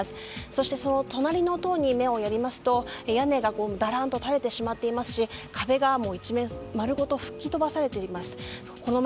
そして、その隣の棟に目をやりますと屋根がだらんと垂れてしまっていますし壁が一面吹き飛ばされています。